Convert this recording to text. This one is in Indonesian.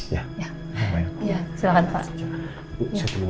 ya silahkan pak